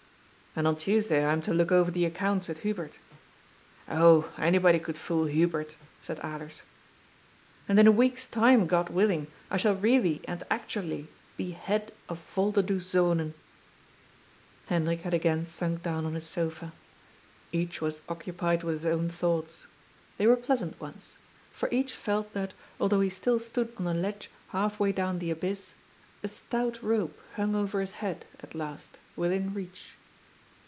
" And on Tuesday I am to look over the accounts with Hubert." " Oh, anybody could fool Hubert," said Alers. " And in a week's time, God willing, I shall really and actually be head of Volderdoes Zonen." Hendrik had again sunk down on his sofa. Each was occupied with his own thoughts. They were pleasant ones. For each felt that, although he still stood on a ledge half 410 GOD'S FOOU way down the abyss, a stout rope hung over his head, at last, within reach.